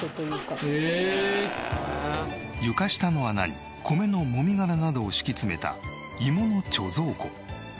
床下の穴に米の籾殻などを敷き詰めた芋の貯蔵庫。